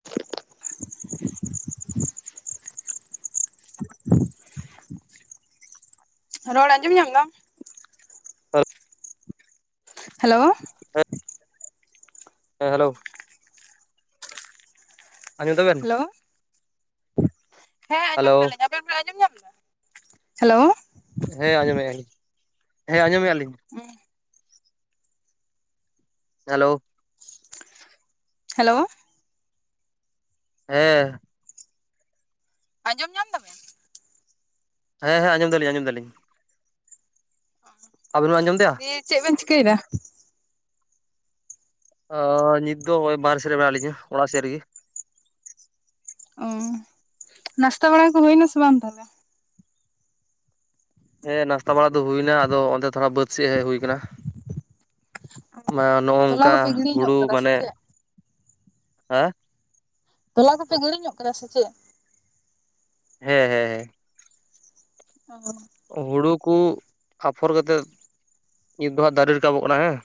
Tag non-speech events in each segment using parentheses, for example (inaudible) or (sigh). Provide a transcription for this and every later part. (unintelligible) (unintelligible) ᱨᱚᱲ ᱟᱸᱡᱚᱢ ᱧᱟᱢ ᱫᱟᱢ? (unintelligible) ᱦᱮᱞᱳ ᱾ ᱦᱮᱸ, ᱦᱮᱞᱳ ᱾ ᱟᱸᱡᱚᱢ ᱫᱟᱵᱮᱱ ᱦᱮᱞᱳ ᱾ ᱦᱮᱸ, ᱦᱮᱞᱳ ᱟᱸᱡᱚᱢ ᱫᱟᱹᱞᱤᱧ ᱟᱵᱮᱱ ᱵᱮᱱ ᱟᱸᱡᱚᱢ ᱧᱟᱢ ᱫᱟ? ᱦᱮᱞᱳ᱾ ᱦᱮᱸ, ᱟᱸᱡᱚᱢᱮᱜᱼᱟ ᱞᱤᱧ ᱾ ᱦᱮᱸ, ᱟᱸᱡᱚᱢᱮᱜᱼᱟ ᱞᱤᱧ ᱾ ᱩᱢ ᱦᱮᱞᱳ ᱾ ᱦᱮᱞᱳ ᱾ ᱦᱮᱸ ᱾ ᱟᱸᱡᱚᱢ ᱧᱟᱢ ᱫᱟᱵᱮᱱ? ᱦᱮᱸ ᱦᱮᱸ, ᱟᱸᱡᱚᱢ ᱫᱟᱹᱞᱤᱧ, ᱟᱸᱡᱚᱢ ᱫᱟᱹᱞᱤᱧ ᱾ (unintelligible) ᱟᱵᱮᱱ ᱵᱮᱱ ᱟᱸᱡᱚᱢ ᱫᱟ? ᱫᱤᱭᱮ ᱪᱮᱫ ᱵᱮᱱ ᱪᱤᱠᱟᱹᱭᱮᱫᱟ? ᱚ, ᱱᱤᱛ ᱫᱚ ᱦᱚᱸᱜᱼᱚᱭ ᱵᱟᱨᱦᱮ ᱥᱮᱫ ᱨᱮ ᱢᱮᱱᱟᱜ ᱞᱤᱧᱟᱹ, ᱚᱲᱟᱜ ᱥᱮᱫ ᱨᱮ ᱜᱮ ᱾ ᱚ, ᱱᱟᱥᱛᱟ ᱵᱟᱲᱟ ᱠᱚ ᱦᱩᱭᱱᱟ ᱥᱮ ᱵᱟᱝ ᱛᱟᱦᱚᱞᱮ? ᱦᱮᱸ, ᱱᱟᱥᱛᱟ ᱵᱟᱲᱟ ᱫᱚ ᱦᱩᱭ ᱮᱱᱟ ᱾ᱟᱫᱚ ᱚᱱᱛᱮ ᱛᱷᱚᱲᱟ ᱵᱟᱹᱫᱽ ᱥᱮᱡ ᱦᱮᱡ ᱦᱩᱭ ᱟᱠᱟᱱᱟ ᱾ ᱱᱚᱜᱼ ᱛᱚᱞᱟ ᱱᱚᱝᱠᱟ ᱠᱚᱯᱮ ᱜᱤᱲᱤ ᱧᱚᱜ ᱦᱩᱲᱩ ᱠᱟᱫᱟ ᱥᱮ ᱢᱟᱱᱮ, ᱪᱮᱫ? ᱦᱮᱸ? ᱛᱚᱞᱟ ᱠᱚᱯᱮ ᱜᱤᱲᱤ ᱧᱚᱜ ᱠᱟᱫᱟ ᱥᱮ ᱪᱮᱫ? ᱦᱮᱸ ᱦᱮᱸ (unintelligible) ᱦᱩᱲᱩ ᱠᱚ ᱟᱯᱷᱚᱨ ᱠᱟᱛᱮᱫ ᱱᱤᱛ ᱫᱚ ᱦᱟᱸᱜ ᱫᱟᱨᱮ ᱨᱟᱠᱟᱵᱚᱜ ᱠᱟᱱᱟ ᱦᱮᱸ᱾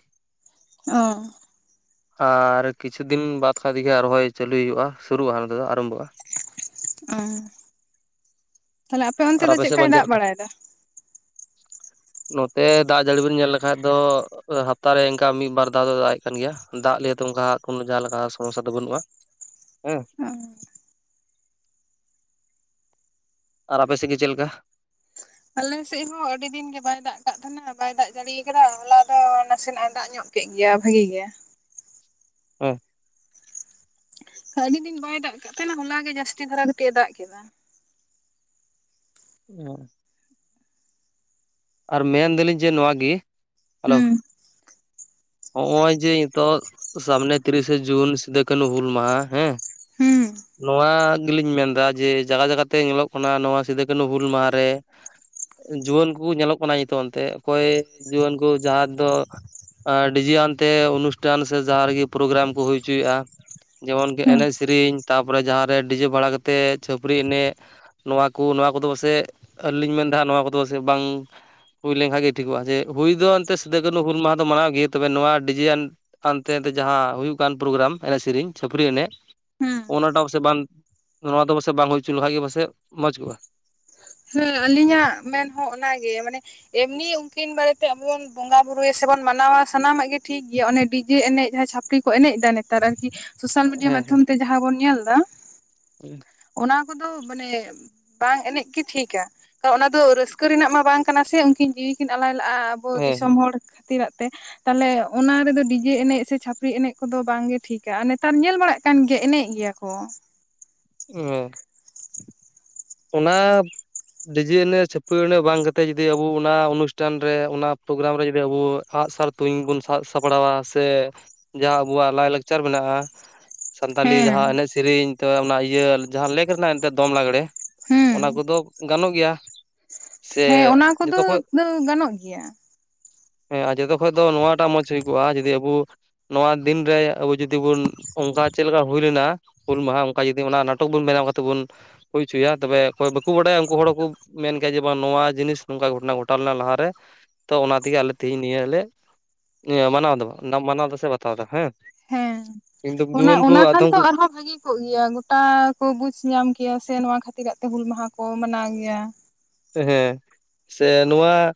ᱚ ᱟᱨ ᱠᱤᱪᱷᱩ ᱫᱤᱱ ᱵᱟᱫ ᱠᱷᱟᱱᱜᱮ ᱨᱚᱦᱚᱭ ᱪᱟᱹᱞᱩᱭ ᱦᱩᱭᱩᱜᱼᱟ ᱥᱩᱨᱩᱜᱼᱟ ᱦᱟᱸᱜ ᱱᱚᱸᱛᱮ ᱫᱚ ᱟᱨᱟᱢᱵᱷᱚᱜᱼᱟ᱾ ᱚᱻ ᱟᱨ ᱟᱯᱮ ᱥᱮᱫ ᱵᱟᱝ ᱪᱮᱫ ᱞᱮᱠᱟ? (inaudible) ᱱᱚᱛᱮ ᱫᱟᱜ ᱡᱟᱹᱲᱤ ᱵᱤᱱ ᱧᱮᱞ ᱞᱮᱠᱷᱟᱡ ᱫᱚ (unintelligible) ᱦᱟᱯᱛᱟᱨᱮ ᱚᱱᱠᱟ ᱢᱤᱫ ᱵᱟᱨ ᱫᱷᱟᱣ ᱫᱚ ᱫᱟᱜ ᱮ ᱠᱟᱱ ᱜᱮᱭᱟ, ᱫᱟᱜ ᱞᱤᱭᱛᱮ ᱚᱱᱠᱟ ᱠᱳᱱᱳ ᱡᱟᱦᱟᱸ ᱞᱮᱠᱟ ᱥᱚᱢᱚᱥᱥᱟ ᱫᱚ ᱵᱟᱹᱱᱩᱜᱼᱟ᱾ ᱦᱮᱸ ᱚᱻ ᱟᱨ ᱟᱯᱮ ᱥᱮᱫ ᱜᱮ ᱪᱮᱫ ᱞᱮᱠᱟ? ᱟᱞᱮ ᱥᱮᱫ ᱦᱚᱸ ᱟᱹᱰᱤ ᱫᱤᱱ ᱜᱮ ᱵᱟᱭ ᱫᱟᱜ ᱟᱠᱟᱜ ᱛᱟᱦᱮᱱᱟ ᱵᱟᱭ ᱫᱟᱜ ᱡᱟᱲᱤᱭᱟ ᱟᱠᱟᱫᱟ ᱦᱚᱞᱟ ᱫᱚ ᱱᱟᱥᱮ ᱱᱟᱜ ᱮ ᱫᱟᱜ ᱧᱚᱜ ᱠᱮᱜ ᱜᱮᱭᱟ ᱵᱷᱟᱜᱤ ᱜᱮ᱾ ᱦᱮᱸ ᱟᱹᱰᱤ ᱫᱤᱱ ᱵᱟᱭ ᱫᱟᱜ ᱠᱟᱜ ᱛᱟᱦᱮᱸᱱᱟ ᱦᱚᱞᱟ ᱜᱮ ᱡᱟᱹᱥᱛᱤ ᱫᱷᱟᱨᱟ ᱠᱟᱴᱤᱡ ᱮ ᱫᱟᱜ ᱠᱮᱫᱟ᱾ (unintelligible) ᱟᱨ ᱢᱮᱱᱫᱟᱞᱤᱧ ᱡᱮ ᱱᱚᱣᱟ ᱜᱤ ᱦᱮᱞᱳ ᱦᱩᱸ ᱱᱚᱜ‌ᱚᱭ ᱡᱮ ᱱᱤᱛᱚᱜ ᱥᱟᱢᱱᱮ ᱛᱤᱨᱤᱥᱮ ᱡᱩᱱ ᱥᱤᱫᱩ ᱠᱟᱹᱱᱦᱩ ᱦᱩᱞ ᱢᱟᱦᱟ ᱦᱮᱸ ᱦᱩᱸ ᱱᱚᱣᱟ ᱜᱮᱞᱤᱧ ᱢᱮᱱᱫᱟ ᱡᱮ ᱡᱟᱭᱜᱟ ᱡᱟᱭᱜᱟ ᱛᱮ ᱧᱮᱞᱚᱜ ᱠᱟᱱᱟ ᱱᱚᱣᱟ ᱥᱤᱫᱩ ᱠᱟᱱᱩ ᱦᱩᱞ ᱢᱟᱦᱟ ᱨᱮ ᱡᱩᱣᱟᱹᱱ ᱠᱚᱠᱚ ᱧᱮᱞᱚᱜ ᱠᱟᱱᱟ ᱱᱤᱛᱳᱜ ᱚᱱᱛᱮ ᱚᱠᱚᱭ ᱡᱩᱣᱟᱹᱱ ᱠᱚ ᱡᱟᱦᱟᱸ ᱫᱚ ᱰᱤᱡᱤ ᱟᱱᱛᱮ ᱚᱱᱩᱥᱴᱟᱱ ᱥᱮ ᱡᱟᱦᱟᱸ ᱨᱮᱜᱮ ᱯᱨᱳᱜᱨᱟᱢ ᱠᱚ ᱦᱩᱭ ᱦᱚᱪᱚᱭᱮᱜᱼᱟ ᱡᱮᱢᱚᱱᱠᱤ ᱦᱩᱸ ᱮᱱᱮᱡ ᱥᱮᱨᱮᱧ ᱛᱟᱯᱚᱨᱮ ᱡᱟᱦᱟᱸᱨᱮ ᱰᱤᱡᱮ ᱵᱟᱲᱟ ᱠᱟᱛᱮᱫ ᱪᱷᱟᱹᱯᱟᱨᱤ ᱮᱱᱮᱜ ᱱᱚᱣᱟ ᱠᱚ ᱱᱚᱣᱟ ᱠᱚᱫᱚ ᱥᱮ ᱟᱹᱞᱤᱧ ᱢᱮᱱᱫᱟ ᱦᱟᱜ ᱱᱚᱣᱟ ᱠᱚᱫᱚ ᱥᱮ ᱵᱟᱝ ᱦᱩᱭ ᱞᱮᱱᱠᱷᱟᱡ ᱜᱮ ᱴᱷᱤᱠᱚᱜᱼᱟ ᱡᱮ ᱦᱩᱭ ᱫᱚ ᱮᱱᱛᱮ ᱥᱤᱫᱩᱼᱠᱟᱱᱩ ᱦᱩᱞ ᱢᱟᱦᱟ ᱫᱚ ᱢᱟᱱᱟᱣ ᱜᱮ ᱛᱚᱵᱮ ᱱᱚᱣᱟ ᱰᱤᱡᱮᱭᱟᱱ ᱦᱟᱱᱛᱮ ᱨᱮ ᱡᱟᱦᱟᱸ ᱦᱩᱭᱩᱜ ᱠᱟᱱ ᱯᱨᱳᱜᱨᱟᱢ ᱮᱱᱮᱡ ᱥᱮᱨᱮᱧ ᱪᱷᱟᱹᱯᱨᱤ ᱮᱱᱮᱜ ᱦᱩᱸ ᱚᱱᱟᱴᱟᱜ ᱯᱟᱥᱮᱡ ᱵᱟᱝ ᱱᱚᱣᱟ ᱫᱚ ᱯᱟᱥᱮᱡ ᱵᱟᱝ ᱦᱩᱭ ᱦᱚᱪᱚ ᱞᱮᱠᱷᱟᱡ ᱜᱮ ᱯᱟᱥᱮᱡ ᱢᱚᱡᱽ ᱠᱚᱜᱼᱟ ᱦᱮᱸ ᱟᱹᱞᱤᱧᱟᱜ ᱢᱮᱱ ᱦᱚᱸ ᱚᱱᱟ ᱜᱮ ᱢᱟᱱᱮ ᱮᱢᱱᱤ ᱩᱝᱠᱤᱱ ᱵᱟᱨᱮᱛᱮ ᱟᱵᱚ ᱵᱚᱱ ᱵᱚᱸᱜᱟ ᱵᱩᱨᱩᱭᱟ ᱥᱮ ᱵᱚᱱ ᱢᱟᱱᱟᱣᱟ ᱥᱟᱱᱟᱢᱟᱜ ᱜᱮ ᱴᱷᱤᱠ ᱜᱮᱭᱟ ᱚᱱᱮ ᱰᱤᱡᱮ ᱮᱱᱮᱡ ᱡᱟᱦᱟᱸ ᱪᱷᱟᱯᱲᱤ ᱠᱚ ᱮᱱᱮᱡ ᱫᱟ ᱱᱮᱛᱟᱨ ᱟᱨᱠᱤ ᱥᱳᱥᱟᱞ ᱢᱤᱰᱤᱭᱟ ᱦᱮᱸ ᱦᱮᱸ ᱢᱟᱫᱽᱫᱷᱚᱢ ᱛᱮ ᱡᱟᱦᱟᱸ ᱵᱚᱱ ᱧᱮᱞ ᱫᱟ ᱚᱱᱟ ᱠᱚᱫᱚ ᱢᱟᱱᱮ ᱵᱟᱝ ᱮᱱᱮᱡ ᱜᱮ ᱴᱷᱤᱠ ᱟ ᱚᱱᱟ ᱫᱚ ᱨᱟᱹᱥᱠᱟᱹ ᱨᱮᱱᱟᱜ ᱢᱟ ᱵᱟᱝ ᱠᱟᱱᱟ ᱥᱮ ᱩᱝᱠᱤᱱ ᱡᱤᱣᱤ ᱠᱤᱱ ᱟᱞᱟᱭ ᱞᱟᱜᱼᱟ ᱟᱵᱚ ᱦᱮᱸ ᱫᱤᱥᱚᱢ ᱦᱚᱲ ᱠᱷᱟᱹᱛᱤᱨᱟᱜ ᱛᱮ ᱛᱟᱦᱞᱮ ᱚᱱᱟ ᱨᱮᱫᱚ ᱰᱤᱡᱮ ᱮᱱᱮᱡ ᱥᱮ ᱪᱷᱟᱯᱨᱤ ᱮᱱᱮᱡ ᱠᱚᱫᱚ ᱵᱟᱝ ᱜᱮ ᱴᱷᱤᱠ ᱟ ᱟᱨ ᱱᱮᱛᱟᱨ ᱧᱮᱞ ᱵᱟᱲᱟᱜ ᱠᱟᱱ ᱜᱮᱭᱟ ᱮᱱᱮᱡ ᱜᱮᱭᱟ ᱠᱚ ᱠᱚ ᱢᱮ ᱚᱱᱟ ᱰᱤᱡᱮ ᱮᱱᱮᱡ ᱪᱷᱟᱯᱨᱤ ᱮᱱᱮᱡ ᱵᱟᱝ ᱠᱟᱛᱮᱫ ᱡᱩᱫᱤ ᱟᱵᱚ ᱚᱱᱟ ᱚᱱᱩᱥᱴᱷᱟᱱ ᱨᱮ ᱚᱱᱟ ᱯᱨᱳᱜᱨᱟᱢ ᱨᱮ ᱡᱩᱫᱤ ᱟᱵᱚ ᱟᱜ-ᱥᱟᱨ ᱛᱩᱧ ᱵᱚᱱ ᱥᱟᱵ ᱥᱟᱯᱲᱟᱣᱟ ᱥᱮ ᱡᱟᱦᱟᱸ ᱟᱵᱚᱣᱟᱜ ᱞᱟᱭ-ᱞᱟᱠᱪᱟᱨ ᱢᱮᱱᱟᱜ-ᱟ ᱥᱟᱱᱛᱟᱞᱤ ᱦᱮᱸ ᱡᱟᱦᱟᱸ ᱮᱱᱮᱡ ᱥᱮᱨᱮᱧ ᱛᱚ ᱚᱱᱟ ᱤᱭᱟᱹ ᱡᱟᱦᱟᱸ ᱞᱮᱠ ᱨᱮᱱᱟᱜ ᱮᱱᱛᱮᱫ ᱫᱚᱝ ᱞᱟᱜᱽᱲᱮ ᱦᱩᱸ ᱚᱱᱟ ᱠᱚᱫᱚ ᱜᱟᱱᱚᱜ ᱜᱮᱭᱟ ᱥᱮ ᱦᱮᱸ ᱚᱱᱟ ᱠᱚᱫᱚ ᱡᱚᱛᱚ ᱠᱷᱚᱡ ᱜᱟᱱᱚᱜ ᱜᱮᱭᱟ ᱦᱮᱸ ᱟᱨ ᱡᱚᱛᱚ ᱠᱷᱚᱡ ᱫᱚ ᱱᱚᱣᱟ ᱴᱟᱜ ᱢᱚᱡᱽ ᱦᱩᱭ ᱠᱚᱜ-ᱟ ᱡᱩᱫᱤ ᱟᱵᱚ ᱱᱚᱣᱟ ᱫᱤᱱ ᱨᱮ ᱟᱵᱚ ᱡᱩᱫᱤ ᱵᱚᱱ ᱚᱝᱠᱟ ᱪᱮᱫ ᱞᱮᱠᱟ ᱦᱩᱭ ᱞᱮᱱᱟ ᱦᱩᱞ ᱢᱟᱦᱟ ᱚᱱᱠᱟ ᱡᱩᱫᱤ ᱚᱱᱟ ᱱᱟᱴᱚᱠ ᱵᱚᱱ ᱵᱮᱱᱟᱣ ᱠᱟᱛᱮ ᱵᱚᱱ ᱪᱚᱭᱟ ᱛᱚᱵᱮ ᱚᱠᱚᱭ ᱵᱟᱠᱚ ᱵᱟᱰᱟᱭᱟ ᱩᱝᱠᱩ ᱦᱚᱲ ᱦᱚᱸᱠᱚ ᱢᱮᱱ ᱠᱮᱭᱟ ᱡᱮ ᱵᱟᱝ ᱱᱚᱣᱟ ᱡᱤᱱᱤᱥ ᱱᱚᱝᱠᱟ ᱜᱷᱚᱴᱚᱱᱟ ᱜᱷᱚᱴᱟᱣ ᱞᱮᱱᱟ ᱞᱟᱦᱟ ᱨᱮ ᱛᱚ ᱚᱱᱟ ᱛᱮᱜᱮ ᱟᱞᱮ ᱛᱤᱦᱤᱧ ᱱᱤᱭᱟᱹ ᱞᱮ ᱢᱟᱱᱟᱣ ᱫᱟᱵᱚᱱ ᱢᱟᱱᱟᱣ ᱫᱟ ᱥᱮ ᱵᱟᱛᱟᱣ ᱫᱟ ᱦᱮᱸ ᱦᱮᱸ ᱠᱤᱱᱛᱩ ᱚᱱᱟ ᱡᱩᱣᱟᱹᱱ ᱠᱚ ᱚᱱᱟ ᱠᱷᱟᱱ ᱟᱫᱚᱢ ᱛᱚ ᱠᱚ ᱟᱨᱦᱚᱸ ᱵᱷᱟᱜᱤ ᱛᱩᱜ ᱜᱮᱭᱟ ᱜᱚᱴᱟ ᱠᱚ ᱵᱩᱡᱽ ᱧᱟᱢ ᱠᱮᱭᱟ ᱥᱮ ᱱᱚᱣᱟ ᱠᱷᱟᱹᱛᱤᱨᱟᱜ ᱛᱮ ᱦᱩᱞ ᱢᱟᱦᱟ ᱠᱚ ᱢᱟᱱᱟᱣ ᱜᱮᱭᱟ ᱦᱮᱸ ᱦᱮᱸ ᱥᱮ ᱱᱚᱣᱟ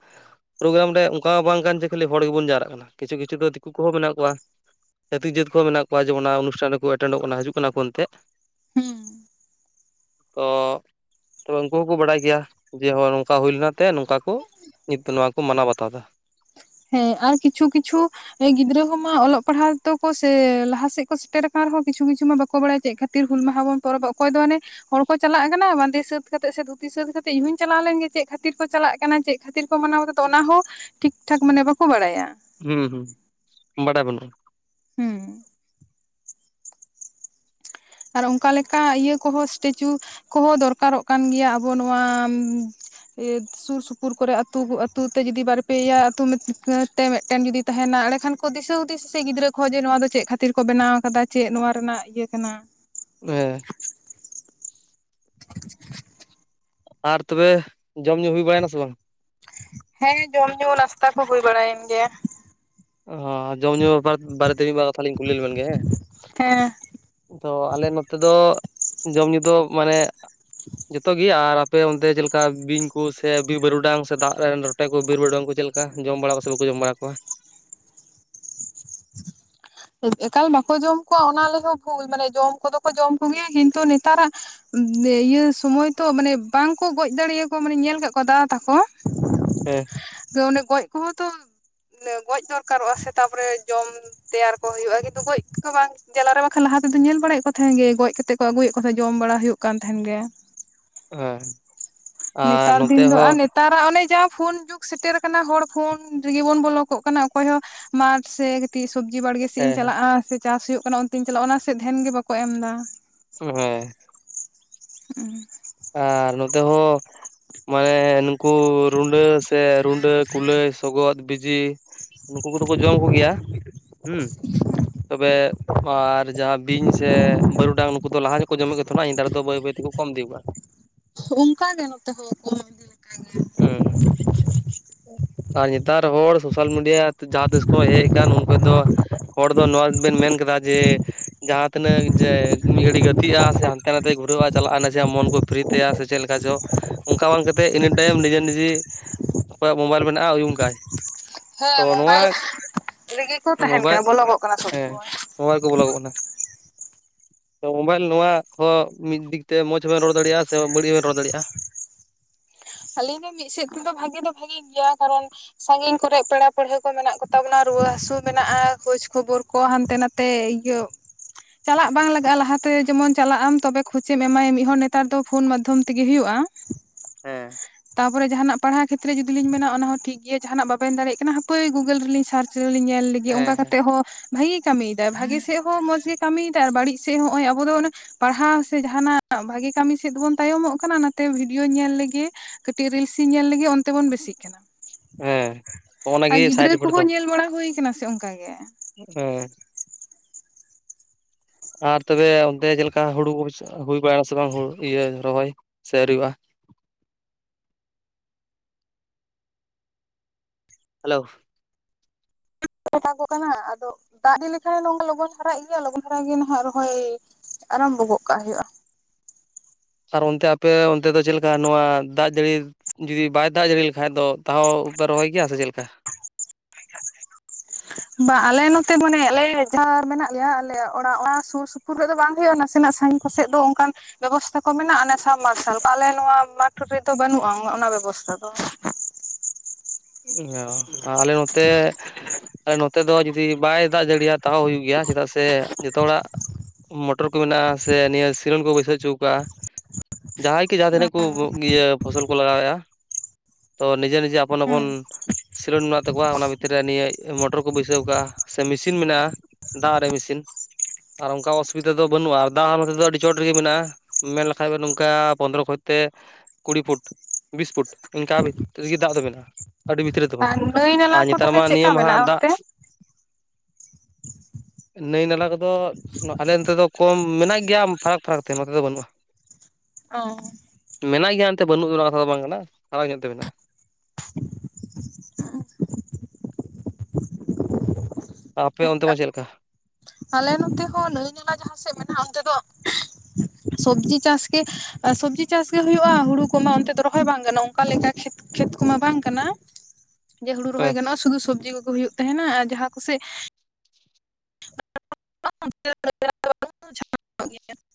ᱯᱨᱳᱜᱨᱟᱢ ᱨᱮ ᱚᱝᱠᱟ ᱵᱟᱝ ᱠᱟᱱ ᱡᱮ ᱠᱷᱟᱹᱞᱤ ᱦᱚᱲ ᱜᱮ ᱵᱚᱱ ᱡᱟᱣᱨᱟᱜ ᱠᱟᱱᱟ ᱠᱤᱪᱷᱩ ᱠᱤᱪᱷᱩ ᱫᱚ ᱫᱤᱠᱩ ᱠᱚᱦᱚᱸ ᱢᱮᱱᱟᱜ ᱠᱚᱣᱟ ᱪᱷᱟᱹᱛᱤᱠ ᱡᱟᱹᱛ ᱠᱚᱦᱚᱸ ᱢᱮᱱᱟᱜ ᱠᱚᱣᱟ ᱡᱮ ᱚᱱᱟ ᱚᱱᱩᱥᱴᱷᱟᱱ ᱨᱮᱠᱚ ᱮᱴᱮᱱᱰᱚᱜ ᱠᱟᱱᱟ ᱦᱤᱡᱩᱜ ᱠᱟᱱᱟ ᱠᱚ ᱮᱱᱛᱮ ᱦᱩᱸ ᱛᱚ ᱛᱚᱵᱮ ᱩᱝᱠᱩ ᱦᱚᱸ ᱠᱚ ᱵᱟᱲᱟᱭ ᱜᱮᱭᱟ ᱡᱮ ᱦᱚᱸ ᱱᱚᱝᱠᱟ ᱦᱩᱭ ᱞᱮᱱᱟ ᱛᱮ ᱱᱚᱝᱠᱟ ᱠᱚ ᱱᱤᱛ ᱫᱚ ᱱᱚᱣᱟ ᱠᱚ ᱢᱟᱱᱟᱣ ᱵᱟᱛᱟᱣ ᱫᱟ ᱦᱮᱸ ᱟᱨ ᱠᱤᱪᱷᱩ ᱠᱤᱪᱷᱩ ᱜᱤᱫᱽᱨᱟᱹ ᱦᱚᱸ ᱢᱟ ᱚᱞᱚᱜ ᱯᱟᱲᱦᱟᱣ ᱛᱚ ᱠᱚ ᱥᱮ ᱞᱟᱦᱟ ᱥᱮᱜ ᱠᱚ ᱥᱮᱴᱮᱨ ᱠᱟᱱ ᱨᱮ ᱦᱚᱸ ᱠᱤᱪᱷᱩ ᱠᱤᱪᱷᱩ ᱢᱟ ᱵᱟᱠᱚ ᱵᱟᱲᱟᱭᱟ ᱪᱮᱜ ᱠᱷᱟ ᱛᱤᱨ ᱦᱩᱞ ᱢᱟᱦᱟ ᱵᱚ ᱯᱚᱨᱚᱵᱚᱜ ᱚᱠᱚᱭ ᱫᱚ ᱦᱟᱱᱮ ᱦᱚᱲ ᱠᱚ ᱪᱟᱞᱟᱜ ᱠᱟᱱᱟ ᱵᱟᱸᱫᱮ ᱥᱟᱹᱛ ᱠᱟᱛᱮᱫ ᱥᱮ ᱫᱷᱩᱛᱤ ᱥᱟᱹᱛ ᱠᱟᱛᱮᱫ ᱤᱧ ᱦᱩᱧ ᱪᱟᱞᱟᱣ ᱞᱮᱱ ᱜᱮ ᱪᱮᱫ ᱠᱷᱟᱹᱛᱤᱨ ᱠᱚ ᱪᱟᱞᱟᱜ ᱠᱟᱱᱟ ᱪᱮᱜ ᱠᱷᱟᱹᱛᱤᱨ ᱠᱚ ᱢᱟᱱᱟᱣ ᱫᱟ ᱛᱚ ᱚᱱᱟ ᱦᱚᱸ ᱴᱷᱤᱠ ᱴᱷᱟᱠ ᱢᱟᱱᱮ ᱵᱟᱠᱚ ᱵᱟᱲᱟᱭᱟ ᱦᱩᱸ ᱦᱩᱸ ᱵᱟᱰᱟᱭ ᱵᱟᱹᱱᱩᱜᱼᱟ ᱦᱩᱸ ᱟᱨ ᱚᱝᱠᱟ ᱞᱮᱠᱟ ᱤᱭᱟᱹ ᱠᱚ ᱦᱚᱸ ᱮᱥᱴᱮᱪᱩ ᱠᱚ ᱦᱚᱸ ᱫᱚᱨᱠᱟᱨᱚᱜ ᱠᱟᱱ ᱜᱮᱭᱟ ᱟᱵᱚ ᱱᱚᱣᱟ ᱥᱩᱨ ᱥᱩᱯᱩᱨ ᱠᱚ ᱨᱮ ᱟᱹᱛᱩ ᱟᱹᱛᱩ ᱛᱮ ᱡᱩᱫᱤ ᱵᱟᱨ ᱯᱮᱭᱟ ᱟᱹᱛᱩ ᱛᱮ ᱢᱮᱫ ᱴᱮᱱ ᱡᱩᱫᱤ ᱛᱟᱦᱮᱱᱟ ᱮᱲᱮ ᱠᱷᱟᱱ ᱠᱚ ᱫᱤᱥᱟᱹ ᱦᱩᱫᱤᱥ-ᱟ ᱥᱮ ᱜᱤᱫᱽᱨᱟᱹ ᱠᱚ ᱦᱚ ᱡᱮ ᱱᱚᱣᱟ ᱫᱚ ᱪᱮᱫ ᱠᱷᱟᱹᱛᱤᱨ ᱠᱚ ᱵᱮᱱᱟᱣ ᱠᱟᱫᱟ ᱪᱮᱫ ᱱᱚᱣᱟ ᱨᱮᱱᱟᱜ ᱜᱮ ᱠᱟᱱᱟ ᱵᱮᱸ (unintelligible) ᱟᱨ ᱛᱚᱵᱮ ᱡᱚᱢ ᱧᱩ ᱦᱩᱭ ᱵᱟᱲᱟᱭᱱᱟ ᱥᱮ ᱵᱟᱝ? ᱦᱮᱸ ᱡᱚᱢ ᱧᱩ ᱱᱟᱥᱛᱟ ᱠᱚ ᱦᱩᱭ ᱵᱟᱲᱟ ᱮᱱ ᱜᱮᱭᱟ᱾ ᱟ ᱡᱚᱢ ᱧᱩ ᱵᱮᱯᱟᱨ ᱵᱟᱨᱮ ᱛᱮ ᱢᱤᱫ ᱵᱟᱨ ᱠᱟᱛᱷᱟ ᱞᱤᱧ ᱠᱩᱞᱤ ᱞᱮᱵᱮᱱ ᱜᱮ ᱦᱮᱸ ᱾ ᱦᱮ‌ᱸ᱾ ᱛᱚ ᱟᱞᱮ ᱱᱚᱛᱮ ᱫᱚ ᱡᱚᱢ ᱧᱩ ᱫᱚ ᱢᱟᱱᱮ ᱡᱚᱛᱚ ᱜᱮ ᱟᱨ ᱟᱯᱮ ᱚᱱᱛᱮ ᱪᱮᱞᱠᱟ ᱵᱤᱧ ᱠᱩ ᱥᱮ ᱵᱤᱨ ᱵᱟᱹᱨᱩ ᱰᱟᱝ ᱥᱮ ᱫᱟᱜ ᱨᱮᱱ ᱨᱚ ᱴᱮ ᱠᱚ ᱵᱤᱨ ᱵᱟᱨᱩ ᱰᱟᱝ ᱠᱚ ᱪᱮᱞᱠᱟ ᱡᱚᱢ ᱵᱟᱲᱟ ᱠᱚ ᱥᱮ ᱵᱟᱠᱚ ᱡᱚᱢ ᱵᱟᱲᱟ ᱠᱳᱣᱟ? ᱮ ᱮᱠᱟᱞ ᱵᱟᱠᱚ ᱡᱚᱢ ᱠᱚᱣᱟ ᱚᱱᱟ ᱞᱮᱭ ᱦᱚ ᱵᱷᱩᱞ ᱢᱟᱱᱮ ᱡᱚᱢ ᱠᱚ ᱫᱚ ᱠᱚ ᱡᱚᱢ ᱠᱚᱜᱮᱭᱟ ᱠᱤᱱᱛᱩ ᱱᱮᱛᱟᱨᱟᱜ ᱤᱭᱟ ᱥᱩᱢᱳᱭ ᱛᱚ ᱢᱟᱱᱮ ᱵᱟᱝ ᱠᱚ ᱜᱚᱡ ᱫᱟᱲᱮᱭᱟᱠᱚ ᱢᱟᱱᱮ ᱧᱮᱞ ᱠᱟᱜ ᱠᱚᱣᱟ ᱫᱟᱫᱟ ᱛᱟᱠᱚ ᱾ ᱯᱚᱝ ᱥᱮ ᱚᱱᱮ ᱜᱚᱡ ᱠᱚ ᱦᱚᱸ ᱛᱚ ᱜᱚᱡ ᱫᱚᱨᱠᱟᱨᱚᱜᱼᱟ ᱥᱮ ᱛᱟᱯᱚᱨᱮ ᱡᱚᱢ ᱛᱮᱭᱟᱨ ᱦᱳᱭ ᱟᱜᱮ ᱫᱚ ᱜᱚᱹᱭ ᱠᱚ ᱵᱟᱝ ᱡᱟᱞᱟᱨᱮ ᱵᱟᱠᱷᱟᱱ ᱞᱟᱦᱟ ᱛᱮ ᱫᱩᱧ ᱧᱮᱞ ᱵᱟᱲᱟᱭᱮᱜ ᱠᱚ ᱛᱟᱦᱮᱸᱜ ᱜᱮ ᱜᱚᱡ ᱠᱟᱛᱮᱜ ᱠᱚ ᱟᱹᱜᱩᱭᱮᱫ ᱠᱚ ᱥᱮ ᱡᱚᱢ ᱵᱟᱲᱟ ᱦᱩᱭᱩᱜ ᱠᱟᱱ ᱛᱟᱦᱮᱸᱱ ᱜᱮ ᱾ ᱦᱮᱸ ᱟᱨ ᱱᱚᱛᱮ ᱦᱚ ᱛᱟᱨᱟ ᱚᱱᱮ ᱡᱟᱦᱟᱸ ᱯᱷᱩᱱ ᱡᱩᱜᱽ ᱥᱮᱴᱮᱨ ᱠᱟᱱᱟ ᱦᱚᱲ ᱯᱷᱩᱱ ᱨᱮᱜᱮ ᱵᱚᱱ ᱵᱚᱞᱚ ᱠᱚᱜ ᱠᱟᱱᱟ ᱚᱠᱚᱭ ᱦᱚᱸ ᱢᱟᱴ ᱥᱮ ᱠᱟᱴᱤᱜ ᱥᱚᱵᱡᱤ ᱵᱟᱲ ᱛᱤᱧ ᱦᱮᱸ ᱪᱟᱞᱟᱜᱼᱟ ᱥᱮ ᱪᱟᱥ ᱦᱩᱭᱩᱜ ᱠᱟᱱᱟ ᱚᱱᱛᱤᱧ ᱪᱟᱞᱟᱜᱼᱟ ᱚᱱᱟ ᱥᱮᱫ ᱫᱦᱮᱱ ᱜᱮ ᱵᱟᱠᱚ ᱮᱢ ᱫᱟ ᱾ ᱩᱸ ᱦᱮᱸ (unintelligible) ᱟᱨ ᱱᱚᱛᱮ ᱦᱚᱸ ᱢᱟᱱᱮ ᱱᱩᱠᱩ ᱨᱩᱱᱰᱳ ᱥᱮ ᱨᱩᱱᱰᱳ ᱠᱩᱞᱟᱹᱭ ᱥᱚᱜᱚᱫ ᱵᱤᱡᱤ ᱱᱩᱠᱩ ᱠᱚ ᱫᱚ ᱠᱚ ᱡᱚᱢ ᱠᱩᱜᱮᱭᱟ? ᱦᱩᱸ ᱛᱚᱵᱮ ᱟᱨ ᱡᱟᱦᱟᱸ ᱵᱤᱧ ᱥᱮ ᱵᱟᱹᱨᱩ ᱰᱟᱝ ᱱᱩᱠᱩ ᱫᱚ ᱞᱟᱦᱟ ᱧᱚᱜ ᱠᱚ ᱡᱚᱢᱮᱫ ᱠᱚ ᱛᱟᱦᱮᱱᱟ ᱧᱤᱛᱟᱨ ᱫᱚ ᱵᱟᱹᱭ ᱵᱟᱹᱭ ᱛᱮ ᱠᱚ ᱠᱚᱢ ᱤᱫᱤ ᱠᱳᱜᱟ᱾ ᱩᱝᱠᱟ ᱜᱮ ᱱᱚᱛᱮ ᱦᱚᱸ ᱠᱚᱢ ᱤᱫᱤ ᱞᱮᱠᱟ ᱜᱮ ᱾ ᱩᱸ ᱟᱨ ᱧᱮᱛᱟᱨ ᱦᱚᱲ ᱥᱳᱥᱟᱞ ᱢᱤᱰᱤᱭᱟ ᱛᱮ ᱡᱟᱦᱟᱸ ᱛᱤᱥ ᱠᱚ ᱦᱮᱜ ᱠᱟᱱ ᱩᱱ ᱠᱦᱚᱭ ᱫᱚ ᱦᱚᱲ ᱫᱚ ᱱᱳᱣᱟ ᱜᱮ ᱵᱮᱱ ᱢᱮᱱ ᱠᱮᱫᱟ ᱡᱮ ᱡᱟᱦᱟᱸ ᱛᱤᱱᱟᱹᱜ ᱡᱮ ᱢᱤᱫ ᱜᱷᱟᱹᱲᱤᱜ ᱜᱟᱛᱤᱜᱼᱟ ᱥᱮ ᱦᱟᱱᱛᱮ ᱱᱟᱛᱮᱭ ᱜᱷᱩᱨᱟᱹᱣᱼᱟ ᱪᱟᱞᱟᱜᱟᱭ ᱱᱟᱥᱮᱭᱟᱜ ᱢᱚᱱ ᱠᱩ ᱯᱷᱨᱤ ᱛᱟᱭᱟ ᱥᱮ ᱪᱮᱞ ᱠᱟ ᱪᱚ ᱩᱱᱠᱟ ᱵᱟᱝ ᱠᱟᱛᱮᱜ ᱮᱱᱤ ᱴᱟᱭᱤᱢ ᱱᱤᱡᱮ ᱱᱤᱡᱤ ᱚᱠᱚᱭᱟᱜ ᱢᱳᱵᱟᱭᱤᱞ ᱢᱮᱱᱟᱜᱼᱟ ᱩᱭᱩᱝ ᱠᱟᱭ᱾ ᱦᱮᱸ ᱛᱚ ᱱᱚᱣᱟ ᱢᱳᱵᱟᱭᱤᱞ ᱨᱮ ᱜᱮ ᱠᱚ ᱛᱟᱦᱮᱱ ᱠᱟᱱᱟ ᱵᱚᱞᱚᱠᱚᱜ ᱠᱟᱱᱟ ᱥᱚᱵ ᱥᱳᱢᱚᱭ ᱾ ᱢᱳᱢᱟᱭᱤᱞ ᱠᱚ ᱵᱚᱞᱚ ᱠᱚᱜ ᱠᱟᱱᱟ ᱾ ᱢᱳᱵᱟᱭᱤᱞ ᱱᱚᱣᱟ ᱦᱚᱸ ᱢᱤᱫ ᱫᱤᱠ ᱛᱮ ᱢᱚᱡᱽ ᱦᱚᱸ ᱵᱮᱱ ᱨᱚᱲ ᱫᱟᱲᱮᱭᱟᱜᱼᱟ ᱥᱮ ᱵᱟᱹᱲᱤᱡ ᱦᱚᱸ ᱨᱚᱲ ᱫᱟᱲᱮᱭᱟᱜᱼᱟ? ᱟᱹᱞᱤᱧ ᱜᱮ ᱢᱤᱫ ᱥᱮᱫ ᱛᱮᱫᱚ ᱵᱷᱟᱜᱮ ᱫᱚ ᱵᱷᱟᱜᱤ ᱜᱤᱭᱟ ᱠᱟᱨᱚᱱ ᱥᱟᱸᱜᱤᱧ ᱠᱚᱨᱮᱜ ᱯᱮᱲᱟ ᱯᱟᱹᱲᱤᱭᱦᱟᱹ ᱠᱚ ᱢᱮᱱᱟᱜ ᱠᱚ ᱛᱟᱵᱚᱱᱟ ᱨᱩᱣᱟᱹ ᱦᱟᱥᱩ ᱢᱮᱱᱟᱜᱼᱟ ᱠᱷᱳᱡᱽ ᱠᱷᱚᱵᱚᱨ ᱠᱚ ᱦᱟᱱᱛᱮ ᱱᱟᱛᱮ ᱤᱭᱳᱜ ᱪᱟᱞᱟᱜ ᱵᱟᱝ ᱞᱟᱜᱟᱜᱼᱟ ᱞᱟᱦᱟᱛᱮ ᱡᱮᱢᱚᱱ ᱪᱟᱞᱟᱜ ᱟᱢ ᱛᱚᱵᱮ ᱠᱷᱳᱪᱮᱢ ᱮᱢᱟᱭ ᱢᱤᱜ ᱦᱚᱲ ᱱᱮᱛᱟᱨ ᱫᱚ ᱯᱷᱩᱱ ᱢᱟᱫᱽᱫᱷᱚᱢ ᱛᱤᱜᱮ ᱦᱩᱭᱩᱜᱼᱟ ᱦᱮᱸ ᱛᱟᱯᱚᱨ ᱡᱟᱦᱟᱱᱟᱜ ᱯᱟᱲᱦᱟ ᱠᱷᱮᱛᱨᱮ ᱡᱩᱫᱤ ᱞᱤᱧ ᱢᱮᱱᱟ ᱚᱱᱟ ᱦᱚᱸ ᱴᱷᱤᱠ ᱜᱤᱭᱹᱟ ᱡᱟᱦᱟᱱᱟᱜ ᱵᱟᱵᱮᱱ ᱫᱟᱲᱮᱭᱟᱜ ᱠᱟᱱᱟ ᱦᱟᱯᱹᱭ ᱜᱩᱜᱳᱞ ᱨᱤᱞᱤᱧ ᱥᱟᱨᱪ ᱨᱮ ᱞᱤᱧ ᱧᱮᱞ ᱞᱮᱜ ᱜᱤᱭᱟ ᱦᱮᱸ ᱚᱱᱠᱟ ᱦᱮᱸ ᱠᱟᱛᱮᱫ ᱦᱚᱸ ᱵᱷᱟᱜᱤᱭᱭ ᱠᱟᱹᱢᱤᱭᱫᱟᱭ ᱵᱷᱟᱜᱮ ᱥᱮᱜ ᱦᱚᱸ ᱢᱚᱸᱡᱽ ᱜᱮ ᱠᱟᱹᱢᱤᱭ ᱫᱟᱭ ᱟᱨ ᱵᱟᱹᱲᱤᱡ ᱥᱮᱫ ᱦᱚᱸ ᱦᱚᱸᱚᱭ ᱟᱵᱚ ᱫᱚ ᱦᱩᱱᱚᱜ ᱯᱟᱲᱦᱟᱣ ᱥᱮ ᱡᱟᱦᱟᱱᱟᱜ ᱵᱷᱟᱜᱤ ᱠᱟᱹᱢᱤ ᱥᱮᱫ ᱵᱚᱱ ᱛᱟᱭᱚᱢᱚᱜ ᱠᱟᱱᱟ ᱚᱱᱟᱛᱮ ᱵᱷᱤᱰᱤᱭᱳᱧ ᱧᱮᱞ ᱞᱮᱜᱮ ᱠᱟᱹᱴᱤᱡ ᱨᱤᱞᱥ ᱤᱧ ᱧᱮᱞ ᱞᱮᱜᱮ ᱚᱱᱛᱮ ᱵᱚᱱ ᱵᱮᱥᱤᱜ ᱠᱟᱱᱟ ᱦᱮᱸ ᱦᱚᱜᱼᱚ ᱱᱟ ᱾ ᱟ ᱜᱮ ᱜᱤᱫᱽᱨᱟᱹ ᱥᱟᱭᱤᱰ ᱤᱯᱷᱮᱠᱴ ᱠᱚᱦᱚᱸ ᱫᱚ ᱧᱮᱞ ᱵᱟᱲᱟ ᱦᱳᱭ ᱠᱟᱱᱟ ᱥᱮ ᱚᱝᱠᱟ ᱜᱮ ᱦᱮᱸ ᱟᱨ ᱛᱚᱵᱮ ᱚᱱᱛᱮ ᱡᱮᱞᱮᱠᱟ ᱦᱩᱲᱩ ᱦᱩᱹᱥᱜᱼᱟ ᱦᱩᱭ ᱵᱟᱲᱟᱜᱼᱟ ᱥᱮ ᱵᱟᱝ ᱦᱩᱲ ᱤᱭᱟᱹ ᱨᱚᱦᱚᱭ ᱥᱮ ᱨᱤᱣᱟ ᱦᱮᱞᱳ ᱫᱟᱜᱚᱜ ᱠᱟᱱᱟ ᱟᱫᱚ ᱫᱟᱜ ᱤᱫᱤ ᱞᱮᱠᱷᱟᱱ ᱱᱚᱝᱠᱟᱱ ᱞᱚᱜᱚᱱ ᱫᱷᱟᱨᱟᱜ ᱜᱤᱭᱟ ᱞᱚᱜᱚᱱ ᱫᱷᱟᱨᱟ ᱜᱮ ᱱᱟᱦᱟᱜ ᱨᱚᱦᱚᱭ ᱟᱨᱟᱢᱵᱚ ᱜᱚᱜ ᱠᱟᱜ ᱦᱳᱭᱳᱜᱼᱟ ᱟᱨ ᱚᱱᱛᱮ ᱟᱯᱮ ᱚᱱᱛᱮ ᱫᱚ ᱪᱮᱜ ᱞᱮᱠᱟ ᱱᱚᱣᱟ ᱫᱟᱜ ᱡᱟᱹᱲᱤ ᱡᱩᱫᱤ ᱵᱟᱭ ᱫᱟᱜ ᱡᱟᱹᱲᱤ ᱞᱮᱠᱷᱟᱡ ᱫᱚ ᱛᱟᱦᱚᱣ ᱯᱮ ᱨᱚᱦᱚᱭ ᱠᱮᱭᱟ ᱥᱮ ᱪᱮᱜ ᱞᱮᱠᱟ ᱵᱟ ᱟᱞᱮ ᱱᱚᱛᱮ ᱢᱟᱱᱮ ᱟᱞᱮ ᱡᱟᱦᱟᱸ ᱟᱨ ᱢᱮᱱᱟᱜ ᱞᱮᱭᱟ ᱟᱞᱮ ᱚᱲᱟᱜ ᱚᱱᱟ ᱥᱩᱨ ᱥᱩᱯᱩᱨ ᱨᱮ ᱫᱚ ᱵᱟᱝ ᱦᱩᱭᱩᱜᱼᱟ ᱱᱟᱥᱮᱱᱟᱜ ᱥᱟᱹᱜᱤ ᱥᱮᱜ ᱫᱚ ᱚᱝᱠᱟᱱ ᱵᱮᱵᱚᱥᱛᱷᱟ ᱠᱚ ᱢᱮᱱᱟᱜᱼᱟ ᱚᱱᱮ ᱥᱟᱵ ᱢᱟᱨᱥᱟᱞ ᱠᱚ ᱟᱞᱮ ᱱᱚᱣᱟ ᱢᱟᱴᱷ ᱨᱮᱫᱚ ᱵᱟᱹᱱᱩᱜᱼᱟ ᱚᱱᱟ ᱚᱱᱟ ᱵᱮᱵᱚᱥᱛᱷᱟ ᱫᱚ ᱚ ᱟᱞᱮ ᱱᱚᱛᱮ ᱱᱚᱛᱮ ᱫᱚ ᱡᱩᱫᱤ ᱵᱟᱭ ᱫᱟᱜ ᱡᱟᱹᱲᱤᱭᱟ ᱛᱟᱣ ᱦᱩᱭᱩᱜ ᱜᱮᱭᱟ ᱪᱮᱫᱟᱜ ᱥᱮ ᱡᱚᱛᱚ ᱦᱚᱲᱟᱜ ᱢᱚᱴᱚᱨ ᱠᱚ ᱢᱮᱱᱟᱜᱼᱟ ᱥᱮ ᱱᱤᱭᱟᱹ ᱥᱤᱨᱚᱱ ᱠᱚ ᱵᱟᱹᱭᱥᱟᱹᱣ ᱪᱩ ᱠᱟᱜᱼᱟ ᱡᱟᱦᱟᱸᱭ ᱠᱮ ᱡᱟᱦᱟᱸ ᱛᱤᱱᱟᱹᱜ ᱠᱚ ᱠᱚ ᱤᱭᱟᱹ ᱯᱷᱚᱥᱚᱞ ᱠᱚ ᱞᱟᱜᱟᱣᱮᱜᱼᱟ ᱛᱚ ᱱᱤᱡᱮ ᱱᱤᱡᱮ ᱟᱯᱚᱱ ᱟᱯ ᱦᱩᱸ ᱵᱚᱱ ᱥᱤᱞᱳᱱ ᱱᱚᱣᱟᱜ ᱛᱟᱠᱚᱣᱟ ᱚᱱᱟ ᱵᱷᱤᱛᱤᱨ ᱨᱮ ᱱᱤᱭᱟᱹ ᱢᱚᱴᱚᱨ ᱠᱚ ᱵᱟᱹᱭᱥᱟᱹᱣ ᱟᱠᱟᱜᱼᱟ ᱥᱮ ᱢᱮᱥᱤᱱ ᱢᱮᱱᱟᱜᱼᱟ ᱫᱟᱜ ᱨᱮ ᱢᱤᱥᱤᱱ ᱟᱨ ᱚᱝᱠᱟ ᱚᱥᱩᱵᱤᱫᱟ ᱫᱚ ᱵᱟᱹᱱᱩᱜᱼᱟ ᱛᱟ ᱟᱨ ᱨᱮᱫᱚ ᱟᱹᱰᱤ ᱪᱚᱴ ᱨᱮᱜᱤ ᱢᱮᱱᱟᱜᱼᱟ ᱢᱮᱱ ᱞᱮᱠᱷᱟᱡ ᱱᱚᱝᱠᱟ ᱯᱚᱸᱫᱽᱨᱚ ᱠᱷᱚᱡᱛᱮ ᱠᱩᱲᱤ ᱯᱷᱩᱴ ᱵᱤᱥ ᱯᱷᱩᱴ ᱤᱱᱠᱟᱱ ᱨᱤᱜᱤ ᱫᱟᱜ ᱫᱚᱵᱮᱱ ᱟᱹᱰᱤ ᱵᱷᱤᱛᱤᱨ ᱨᱮ ᱫᱚᱦᱚᱸ ᱟᱨ ᱱᱟᱹᱭ ᱟ ᱱᱟᱞᱟ ᱠᱚ ᱧᱮᱛᱟᱨ ᱛᱟᱦᱚᱞᱮ ᱢᱟ ᱱᱤᱭᱟᱹ ᱪᱮᱫᱠᱟ ᱢᱟᱦᱟᱜ ᱢᱮᱱᱟᱜᱼᱟ ᱫᱟᱜ ᱚᱱᱛᱮ (inaudible) ᱱᱟᱹᱭ ᱱᱟᱞᱟ ᱠᱚᱫᱚ ᱟᱞᱮ ᱱᱚᱛᱮ ᱫᱚ ᱠᱚᱢ ᱢᱮᱱᱟᱜ ᱜᱮᱭᱟ ᱯᱷᱟᱨᱟᱠ ᱯᱷᱟᱨᱟᱠ ᱛᱮ ᱱᱚᱛᱮ ᱫᱚ ᱵᱟᱹᱱᱩᱜᱼᱟ (inaudible) ᱚ ᱢᱮᱱᱟᱜ ᱜᱮᱭᱟ ᱮᱱᱛᱮ ᱵᱟᱹᱱᱩᱜ ᱨᱮᱦᱚᱸ ᱵᱟᱝ ᱠᱟᱱᱟ ᱦᱚᱭ ᱜᱮ ᱚᱱᱛᱮ ᱢᱮᱱᱟᱜᱼᱟ ᱟᱯᱮ ᱚᱱᱛᱮ ᱢᱟ ᱪᱮᱜ ᱞᱮᱠᱟ ᱟᱞᱮ ᱱᱚᱛᱮ ᱦᱚᱸ ᱱᱟᱹᱭ ᱱᱟᱞᱟ ᱡᱟᱦᱟᱸ ᱥᱮᱜ ᱢᱮᱱᱟᱜᱼᱟ ᱚᱱᱛᱮ ᱫᱚ ᱥᱚᱵᱡᱤ ᱪᱟᱥ ᱜᱮ ᱥᱚᱵᱡᱤ ᱪᱟᱥ ᱜᱮ ᱦᱩᱭᱩᱜᱼᱟ ᱦᱩᱲᱩ ᱠᱚᱢᱟ ᱚᱱᱛᱮ ᱫᱚ ᱨᱚᱦᱚᱭ ᱵᱟᱝ ᱜᱟᱱᱚᱜᱼᱟ ᱚᱝᱠᱟ ᱞᱮᱠᱟ ᱠᱷᱮᱛ ᱠᱷᱮᱛ ᱠᱚᱢᱟ ᱵᱟᱝ ᱠᱟᱱᱟ ᱡᱮ ᱦᱩᱲᱩ ᱦᱮᱸ ᱨᱚᱦᱚᱭ ᱜᱟᱱᱚᱜᱼᱟ ᱥᱩᱫᱩ ᱥᱚᱵᱡᱤ ᱠᱚᱜᱮ ᱦᱩᱭᱩᱜ ᱛᱮᱦᱮᱱᱟ ᱟᱨ ᱡᱟᱦᱟᱸ ᱠᱩᱥᱮᱜ (unintelligible) (unintelligible)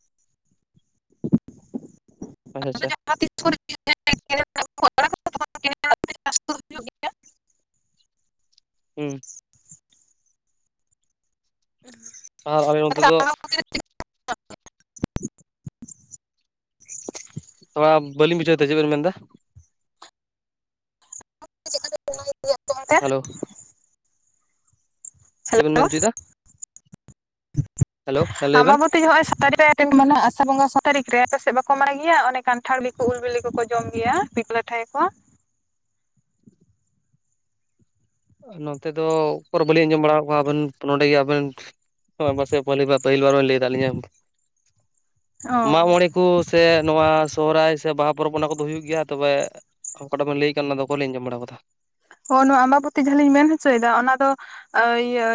(unintelligible) (unintelligible) ᱠᱚ ᱟᱲᱟᱜᱟ ᱛᱚᱠᱷᱚᱱ (unintelligible) ᱦᱩᱸ ᱟᱨ ᱟᱞᱮ ᱚᱱᱛᱮ ᱫᱚ ᱛᱷᱚᱲᱟ ᱵᱟᱹᱞᱤᱧ ᱵᱩᱡᱷᱟᱹᱣ ᱫᱟ ᱪᱮᱜ ᱵᱮᱱ ᱢᱮᱱ ᱫᱟ (unintelligible) ᱦᱮᱞᱳ ᱪᱮᱜ ᱵᱮᱱ ᱦᱮᱞᱳ ᱢᱮᱱᱪᱚᱭ ᱫᱟ ᱦᱮᱸ ᱞᱟᱹᱭ ᱵᱮᱱ ᱟᱢᱟᱵᱚᱛᱤ ᱦᱚᱜᱚᱭ ᱥᱟᱛᱟᱨᱤ ᱨᱮ ᱨᱮᱱ ᱢᱟᱱᱮ ᱟᱥᱟ ᱵᱚᱸᱜᱟ ᱥᱚ ᱛᱟᱹᱨᱤᱠᱷ ᱨᱮ ᱟᱯᱮ ᱥᱮᱜ ᱵᱟᱠᱚ ᱢᱟᱭ ᱜᱤᱭᱟ ᱚᱱᱮ ᱠᱟᱱᱴᱷᱟᱲ ᱞᱤ ᱠᱩ ᱩᱞ ᱵᱤᱞᱤ ᱠᱚᱠᱚ ᱡᱚᱢ ᱜᱮᱭᱟ ᱯᱤᱠ ᱞᱟᱴᱷᱟᱭ ᱟᱠᱚ ᱱᱚᱛᱮ ᱫᱚ ᱚᱠᱚᱨ ᱵᱟᱹᱞᱤᱧ ᱟᱡᱚᱢ ᱵᱟᱲᱟᱣ ᱠᱚᱣᱟ ᱵᱟᱹᱞ ᱱᱚᱰᱮ ᱜᱮ ᱟᱵᱮᱱ ᱦᱚᱭ ᱵᱟᱨᱥᱮ ᱯᱟᱹᱞᱤ ᱢᱟ ᱯᱟᱹᱦᱤᱞ ᱵᱟᱨ ᱵᱟᱨ ᱞᱟᱹᱭᱫᱟ ᱞᱤᱧᱟᱢ ᱚ ᱢᱟᱜᱢᱚᱬᱮ ᱠᱩ ᱥᱮ ᱱᱚᱣᱟ ᱥᱚᱦᱚᱨᱟᱭ ᱥᱮ ᱵᱟᱦᱟ ᱯᱚᱨᱚᱵ ᱚᱱᱟ ᱠᱚᱫᱚ ᱦᱩᱭᱩᱜ ᱜᱮᱭᱟ ᱛᱚᱵᱮ ᱚᱠᱟᱴᱟᱜ ᱵᱤᱱ ᱞᱟᱹᱭᱠᱟᱱ ᱚᱱᱟᱫᱚ ᱵᱟᱞᱤᱧ ᱟᱡᱚᱢ ᱵᱟᱲᱟ ᱟᱠᱟᱫᱟ᱾ ᱚ ᱱᱚᱶᱟ ᱟᱢᱵᱟᱵᱚᱛᱤ ᱡᱟᱦᱟᱸᱞᱤᱧ ᱢᱮᱱ ᱦᱚᱪᱚᱭᱮᱫᱟ ᱚᱱᱟ ᱫᱚ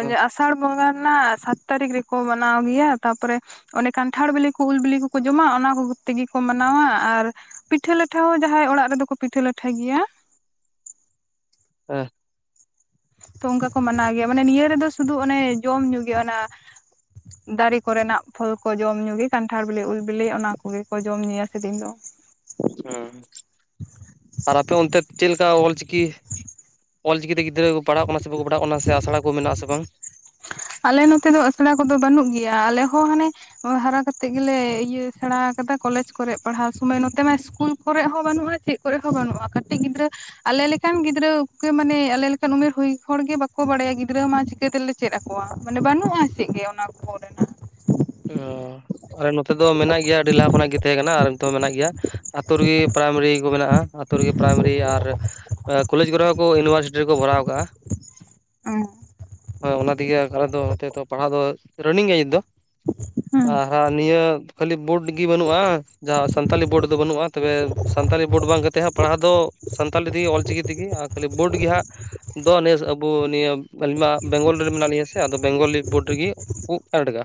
ᱦᱮᱸ ᱟᱥᱟᱲ ᱵᱚᱸᱜᱟ ᱨᱮᱱᱟᱜ ᱥᱟᱛ ᱛᱟᱹᱨᱤᱠᱷ ᱨᱮᱠᱚ ᱢᱟᱱᱟᱣ ᱜᱮᱭᱟ ᱛᱟᱯᱚᱨᱮ ᱚᱱᱮ ᱠᱟᱱᱴᱷᱟᱲ ᱵᱤᱞᱤ ᱠᱚ ᱩᱞ ᱵᱤᱞᱤ ᱠᱚᱠᱚ ᱡᱚᱢᱟ ᱚᱱᱟ ᱠᱚ ᱛᱮᱜᱮ ᱠᱚ ᱢᱟᱱᱟᱣᱟ᱾ ᱟᱨ ᱯᱤᱴᱷᱟᱹ ᱞᱟᱴᱷᱚ ᱦᱚᱸ ᱡᱟᱦᱟᱸᱭ ᱚᱲᱟᱜ ᱨᱮᱫᱚ ᱠᱚ ᱯᱤᱴᱷᱟᱹ ᱞᱟᱴᱷᱟᱭ ᱜᱮᱭᱟ᱾ ᱦᱮᱸ᱾ ᱛᱚ ᱚᱱᱠᱟ ᱠᱚ ᱢᱟᱱᱟᱣ ᱜᱮᱭᱟ ᱢᱟᱱᱮ ᱱᱤᱭᱟᱹ ᱨᱮᱫᱚ ᱥᱩᱫᱩ ᱚᱱᱮ ᱡᱚᱢ ᱧᱩ ᱜᱮ ᱚᱱᱟ (inaudible) ᱫᱟᱨᱮ ᱠᱚᱨᱮᱱᱟᱜ ᱯᱷᱚᱞ ᱠᱚ ᱡᱚᱢ ᱧᱩ ᱜᱮ ᱠᱟᱱᱴᱷᱟᱲ ᱵᱤᱞᱤ ᱩᱞ ᱵᱤᱞᱤ ᱚᱱᱟ ᱠᱚᱜᱮ ᱠᱚ ᱡᱚᱢ ᱧᱩᱭᱟ ᱥᱮᱫᱤᱱ ᱫᱚ᱾ ᱦᱩᱸ ᱟᱨ ᱟᱯᱮ ᱚᱱᱛᱮ ᱪᱮᱫ ᱞᱮᱠᱟ ᱚᱞ ᱪᱤᱠᱤ? ᱚᱞ ᱪᱤᱠᱤᱛᱮ ᱜᱤᱫᱽᱨᱟᱹ ᱠᱚ ᱯᱟᱲᱦᱟᱜ ᱠᱟᱱᱟ ᱥᱮ ᱵᱟᱠᱚ ᱯᱟᱲᱦᱟᱜ ᱠᱟᱱᱟ ᱥᱮ ᱟᱥᱲᱟ ᱠᱚ ᱢᱮᱱᱟᱜᱼᱟ ᱥᱮ ᱵᱟᱝ? ᱟᱞᱮ ᱱᱚᱛᱮ ᱫᱚ ᱟᱥᱲᱟ ᱠᱚᱫᱚ ᱵᱟᱹᱱᱩᱜ ᱜᱮᱭᱟ ᱟᱞᱮ ᱦᱚᱸ ᱦᱟᱱᱮ ᱦᱟᱨᱟ ᱠᱟᱛᱮᱜ ᱜᱮᱞᱮ ᱤᱭᱟᱹ ᱥᱮᱬᱟ ᱟᱠᱟᱫᱟ ᱠᱚᱞᱮᱡ ᱠᱚᱨᱮᱜ ᱯᱟᱲᱦᱟᱣ ᱥᱩᱢᱚᱭ᱾ ᱱᱚᱛᱮ ᱢᱟ ᱤᱥᱠᱩᱞ ᱠᱚᱨᱮ ᱦᱚᱸ ᱵᱟᱹᱱᱩᱜᱼᱟ ᱪᱮᱫ ᱠᱚᱨᱮ ᱦᱚᱸ ᱵᱟᱹᱱᱩᱜᱼᱟ ᱠᱟᱹᱴᱤᱡ ᱜᱤᱫᱽᱨᱟᱹ ᱟᱞᱮ ᱞᱮᱠᱟᱱ ᱜᱤᱫᱽᱨᱟᱹ ᱩᱠᱟᱹ ᱢᱟᱱᱮ ᱟᱞᱮ ᱞᱮᱠᱟᱱ ᱩᱢᱮᱨ ᱦᱩᱭ ᱦᱚᱲᱜᱮ ᱵᱟᱠᱚ ᱵᱟᱰᱟᱭᱟ ᱜᱤᱫᱽᱨᱟᱹ ᱢᱟ ᱪᱤᱠᱟᱹᱛᱮᱞᱮ ᱪᱮᱫ ᱟᱠᱚ ᱠᱚᱣᱟ᱾ ᱢᱟᱱᱮ ᱵᱟᱹᱱᱩᱜᱼᱟ ᱪᱮᱜ ᱜᱮ ᱚᱱᱟ ᱠᱚᱨᱮᱱᱟᱜ᱾ ᱦᱩᱸ᱾ ᱟᱞᱮ ᱱᱚᱛᱮ ᱫᱚ ᱢᱮᱱᱟᱜ ᱜᱮᱭᱟ ᱟᱹᱰᱤ ᱞᱟᱦᱟ ᱠᱷᱚᱱᱟᱜ ᱜᱮ ᱛᱟᱦᱮᱸ ᱠᱟᱱᱟ᱾ ᱟᱨ ᱱᱤᱛᱚᱜ ᱢᱮᱱᱟᱜ ᱜᱮᱭᱟ ᱟᱹᱛᱩ ᱨᱮᱜᱮ ᱯᱨᱟᱭᱢᱟᱨᱤ ᱠᱚ ᱢᱮᱱᱟᱜᱼᱟ᱾ ᱟᱹᱛᱩ ᱨᱮᱜᱮ ᱯᱨᱟᱭᱢᱟᱨᱤ ᱟᱨ ᱠᱚᱞᱮᱡᱽ ᱠᱚᱨᱮ ᱦᱚ ᱠᱚ ᱤᱭᱩᱱᱤᱵᱷᱟᱨᱥᱤᱴᱤ ᱨᱮᱠᱚ ᱠᱚᱨᱟᱣ ᱟᱠᱟᱜᱼᱟ᱾ ᱚᱸ᱾ ᱦᱚᱭ ᱚᱱᱟ ᱛᱮᱜᱮ ᱟᱞᱮ ᱫᱚ ᱱᱚᱛᱮ ᱫᱚ ᱯᱟᱲᱦᱟᱜ ᱫᱚ ᱨᱟᱱᱤᱝ ᱜᱮᱭᱟ ᱱᱤᱛ ᱫᱚ᱾ (inaudible) ᱟᱨ ᱱᱤᱭᱟᱹ ᱠᱷᱟᱹᱞᱤ ᱵᱚᱴ ᱜᱮ ᱵᱟᱹᱱᱩᱜᱼᱟ᱾ ᱡᱟᱦᱟᱸ ᱥᱟᱱᱛᱟᱞᱤ ᱵᱚᱰ ᱫᱚ ᱵᱟᱹᱱᱩᱜᱼᱟ ᱛᱚᱵᱮ ᱥᱟᱱᱛᱟᱞᱤ ᱵᱚᱰ ᱵᱟᱝ ᱠᱟᱛᱮᱫ ᱦᱟᱸᱜ ᱯᱟᱲᱦᱟᱣ ᱫᱚ ᱥᱟᱱᱛᱟᱞᱤ ᱛᱮᱜᱮ ᱚᱞᱪᱤᱠᱤ ᱛᱮᱜᱮ ᱟᱨ ᱠᱷᱟᱹᱞᱤ ᱵᱚᱰ ᱜᱮ ᱦᱟᱸᱜ ᱫᱚ ᱱᱮᱥ ᱟᱵᱚ ᱱᱤᱭᱟᱹ ᱟᱹᱞᱤᱧ ᱢᱟ ᱵᱮᱝᱜᱚᱞ ᱨᱮ ᱢᱮᱱᱟᱜ ᱞᱤᱧᱟ ᱥᱮ ᱟᱫᱚ ᱵᱮᱝᱜᱚᱞᱤ ᱵᱚᱰ ᱨᱮᱜᱮ ᱠᱩᱜ ᱯᱮᱰᱜᱟ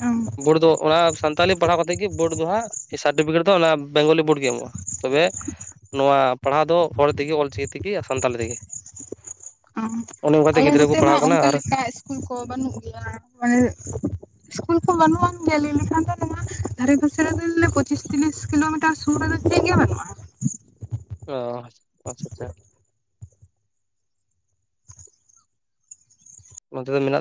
ᱦᱩᱸ ᱵᱚᱰ ᱫᱚ ᱚᱱᱟ ᱥᱟᱱᱛᱟᱞᱤ ᱯᱟᱲᱦᱟᱣ ᱠᱟᱛᱮᱫ ᱜᱮ ᱵᱚᱰ ᱫᱚ ᱦᱟᱸᱜ ᱥᱟᱨᱴᱤᱯᱷᱤᱠᱮᱴ ᱫᱚ ᱚᱱᱟ ᱵᱮᱝᱜᱚᱞᱤ ᱵᱚᱰ ᱜᱮ ᱮᱢᱚᱜᱼᱟ᱾ ᱛᱚᱵᱮ ᱱᱚᱣᱟ ᱯᱟᱲᱦᱟᱣ ᱫᱚ ᱦᱚᱲ ᱛᱮᱜᱮ ᱚᱞᱪᱤᱠᱤ ᱛᱮᱜᱮ ᱥᱟᱱᱛᱟᱲᱤ ᱛᱮᱜᱮ᱾ ᱚᱱᱮ ᱚᱱᱠᱟᱛᱮ ᱟᱞᱮ ᱜᱤᱫᱽᱨᱟᱹ ᱠᱚ ᱱᱚᱛᱮ ᱢᱟ ᱯᱟᱲᱦᱟᱜ ᱠᱟᱱᱟ ᱚᱱᱠᱟ ᱟᱨ ᱞᱮᱠᱟ ᱤᱥᱠᱩᱞ ᱠᱚ ᱵᱟᱱᱩᱜ ᱜᱮᱭᱟ ᱢᱟᱭ ᱤᱥᱠᱩᱞ ᱠᱚ ᱵᱟᱹᱱᱩᱜᱼᱟ ᱧᱮᱞ (unintelligible) ᱞᱮᱠᱷᱟᱱ ᱫᱚ ᱱᱚᱣᱟ ᱫᱷᱟᱨᱮ ᱯᱟᱥᱮ ᱨᱮ ᱫᱚ ᱯᱚᱪᱤᱥ ᱛᱤᱨᱤᱥ ᱠᱤᱞᱚᱢᱤᱴᱟᱨ ᱥᱩᱨ ᱨᱮᱫᱚ ᱪᱮᱫ ᱜᱮ ᱵᱟᱱᱩᱜᱼᱟ᱾ ᱚ ᱟᱪᱪᱷᱟ ᱟᱪᱪᱷᱟ᱾ ᱱᱚᱛᱮ ᱫᱚ ᱢᱮᱱᱟᱜ